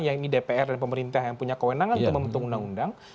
yang ini dpr dan pemerintah yang punya kewenangan untuk membentuk undang undang